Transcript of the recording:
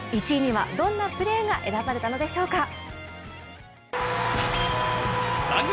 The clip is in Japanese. １位にはどんなプレーが選ばれたのでしょうか。